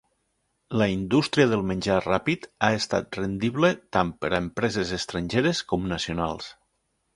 La indústria del menjar ràpid ha estat rendible tant per a empreses estrangeres com nacionals.